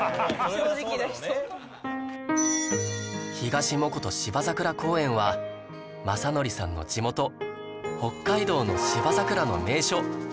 東藻琴芝桜公園は雅紀さんの地元北海道の芝桜の名所